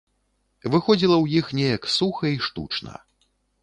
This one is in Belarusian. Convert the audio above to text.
Выходзіла ў іх неяк суха і штучна.